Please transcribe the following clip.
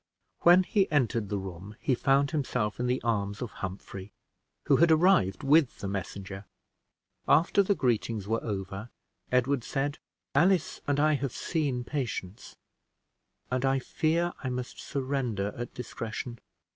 When he entered the room, he found himself in the arms of Humphrey, who had arrived with the messenger. After the greetings were over, Edward said, "Alice and I have seen Patience, and I fear I must surrender at discretion.